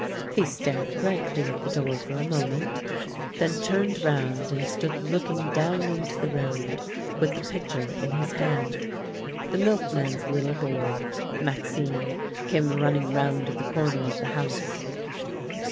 He stared blankly at the door for a moment, then turned round and stood looking down into the road, with the pitcher in his hand. The milkman's little boy, Maxime, came running round the corner of the house.